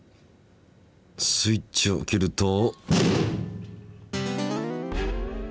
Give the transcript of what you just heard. スイッチを切ると。